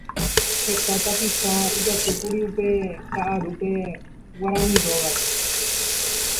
Heta tapicha ijatýkuri upe kaʼarúpe Guarani Rógape.